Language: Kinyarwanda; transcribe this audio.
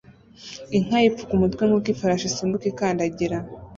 Inka yipfuka umutwe nkuko ifarashi isimbuka ikandagira